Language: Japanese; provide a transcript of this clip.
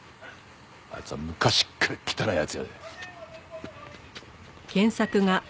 あいつは昔から汚い奴やで。